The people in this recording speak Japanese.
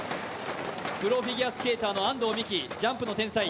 プロフィギュアスケーターの安藤美姫、ジャンプの天才。